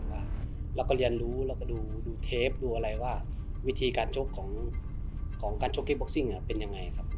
เราก็เรียนรู้แล้วก็ดูเทปดูอะไรว่าวิธีการชกของของการชกที่บ็อกซิ่งเป็นยังไงครับ